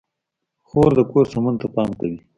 خور د کور سمون ته پام کوي.